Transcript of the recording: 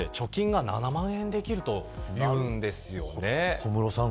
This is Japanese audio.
小室さん